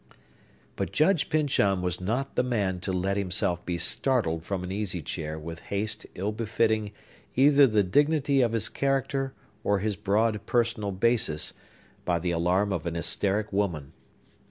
But Judge Pyncheon was not the man to let himself be startled from an easy chair with haste ill befitting either the dignity of his character or his broad personal basis, by the alarm of an hysteric woman.